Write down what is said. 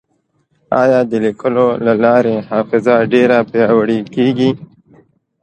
ایا د لیکلو له لارې حافظه ډېره پیاوړې کېږي؟